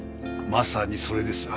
まさにそれですわ。